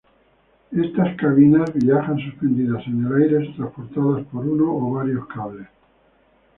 Estas cabinas viajan suspendidas en el aire transportadas por uno o varios cables.